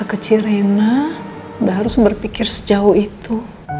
anak sekecil rena udah harus berpikir sejauh itu